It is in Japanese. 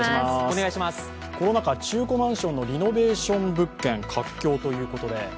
コロナ禍、中古マンションのリノベーションマンション、活況ということで。